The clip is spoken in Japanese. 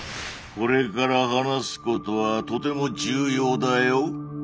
これから話すことはとても重要だよ。